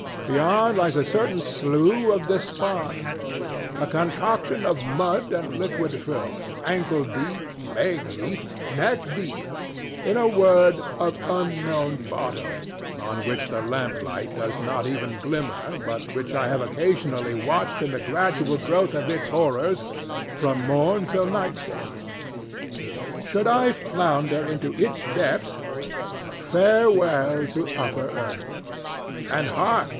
Beyond lies a certain Slough of Despond, a concoction of mud and liquid filth, ankle deep, leg deep, neck deep—in a word, of unknown bottom—on which the lamplight does not even glimmer, but which I have occasionally watched in the gradual growth of its horrors from morn till nightfall. Should I flounder into its depths, farewell to upper earth! And hark!